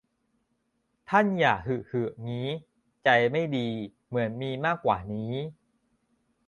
ท่านอย่าหึหึงี้ ใจไม่ดี เหมือนมีมากกว่านี้